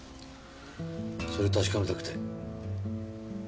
それ確かめたくて。